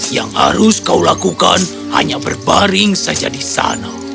yang harus kau lakukan hanya berbaring saja di sana